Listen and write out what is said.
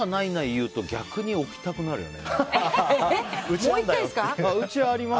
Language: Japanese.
言うと逆に置きたくなるよね。